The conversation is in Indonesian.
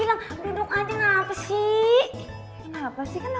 jangan deket sama anak kecil ya